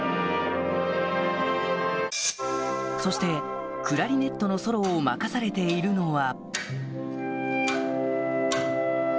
そしてクラリネットのソロを任されているのは